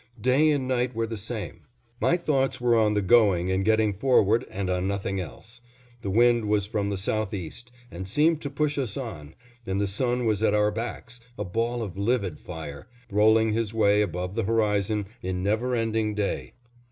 Day and night were the same. My thoughts were on the going and getting forward, and on nothing else. The wind was from the southeast, and seemed to push us on, and the sun was at our backs, a ball of livid fire, rolling his way above the horizon in never ending day.